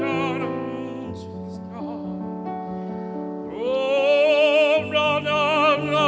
โอปรนัน